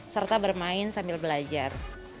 serta bermain sambil belajar